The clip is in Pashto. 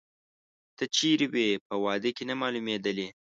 ته چیري وې، په واده کې نه مالومېدلې؟